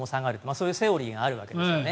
そういうセオリーがあるわけですよね。